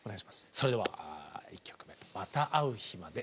それでは１曲目「また逢う日まで」